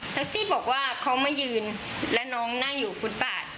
ซี่บอกว่าเขามายืนและน้องนั่งอยู่ฟุตบาท